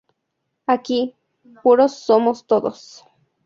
Aquí, puros somos todos".